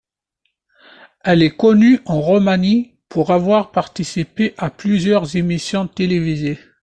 Elle est connue en Roumanie pour avoir participé à plusieurs émissions télévisées.